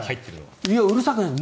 うるさくないです。